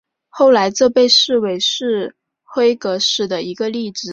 后来这被视为是辉格史的一个例子。